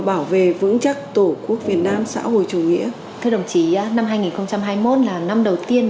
đối với người điều khiển không tiện là xe ô tô